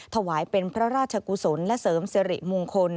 ถวายเป็นพระราชกุศลและเสริมสิริมงคล